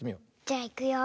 じゃいくよ。